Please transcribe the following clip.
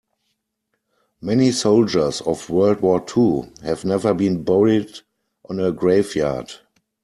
Many soldiers of world war two have never been buried on a grave yard.